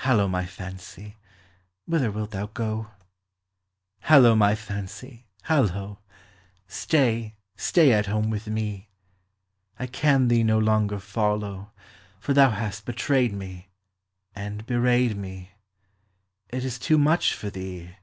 Hallo, my fancy, whither wilt thou go ? Hallo, my fancy, hallo ! Stay, stay at home with me, I can thee no longer follow, For thou hast betrayed me, And bewrayed me ; It is too much for thee.